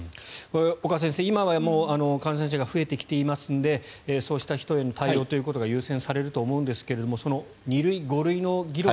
岡先生、今は感染者が増えてきていますのでそうした人への対応というのが優先されると思うんですが２類、５類の議論